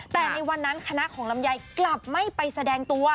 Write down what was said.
แต่ในวันนั้นคณะของลำไยกลับไม่ไปแสดงตัว